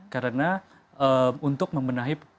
karena untuk membenahi